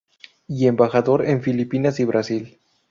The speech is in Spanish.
Y embajador en Filipinas y Brasil.